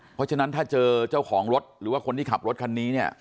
เพราะฉะนั้นถ้าเจอเจ้าของรถหรือว่าคนที่ขับรถคันนี้เนี่ย